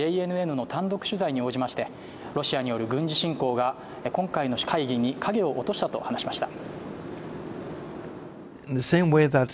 ＪＮＮの単独取材に応じましてロシアによる軍事侵攻が今回の会議に影を落としたと話しました。